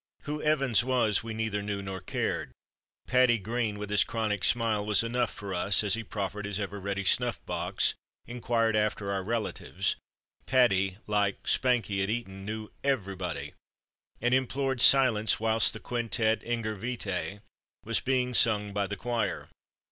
Who "Evans" was, we neither knew nor cared. "Paddy" Green, with his chronic smile, was enough for us; as he proffered his ever ready snuff box, inquired after our relatives "Paddy," like "Spanky" at Eton, knew everybody and implored silence whilst the quintette Integer Vitæ was being sung by the choir.